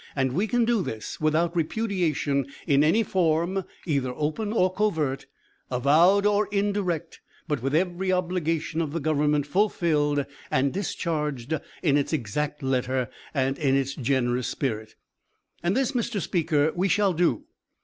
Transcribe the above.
And we can do this without repudiation in any form, either open or covert, avowed or indirect, but with every obligation of the government fulfilled and discharged in its exact letter and in its generous spirit. "And this, Mr. Speaker, we shall do.